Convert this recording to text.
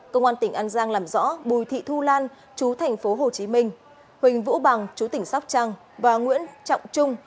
công an tỉnh an giang làm rõ bùi thị thu lan chú thành phố hồ chí minh huỳnh vũ bằng chú tỉnh sóc trăng và nguyễn trọng trung